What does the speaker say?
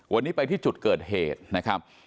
วันนี้ไปที่จุดเกิดเหตุนะครับ